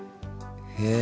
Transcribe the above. へえ。